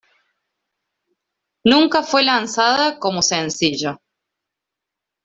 Nunca fue lanzada como sencillo.